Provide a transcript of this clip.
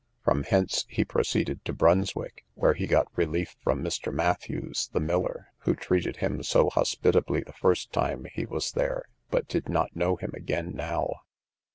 From hence he proceeded to Brunswick, where he got relief from Mr. Matthews, the miller, who treated him so hospitably the first time he was there, but did not know him again now.